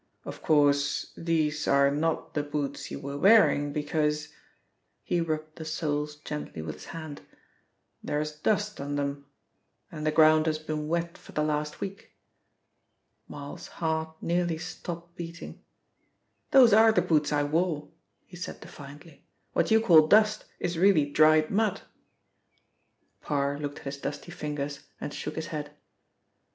"Of course, these are not the boots you were wearing, because " he rubbed the soles gently with his hand, "there is dust on them, and the ground has been wet for the last week." Marl's heart nearly stopped beating. "Those are the boots I wore," he said defiantly. "What you call 'dust' is really dried mud." Parr looked at his dusty fingers and shook his head.